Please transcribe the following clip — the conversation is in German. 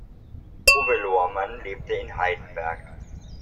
Uwe Lohrmann lebte in Heidelberg.